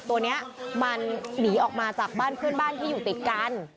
ตัวนี้มันหนีออกมาจากบ้านเพื่อนบ้านที่อยู่ติดกัน